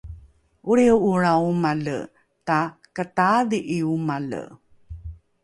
olriho’olrao omale takataadhi’i omale